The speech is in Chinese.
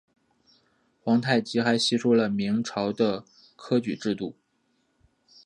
皇太极还吸收了明朝的科举制度。